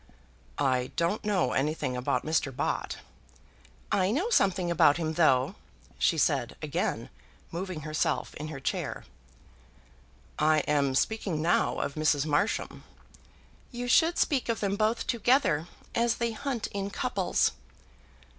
"I don't know anything about Mr. Bott." "I know something about him though," she said, again moving herself in her chair. "I am speaking now of Mrs. Marsham." "You should speak of them both together as they hunt in couples."